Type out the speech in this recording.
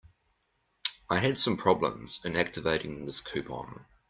I had some problems in activating this coupon.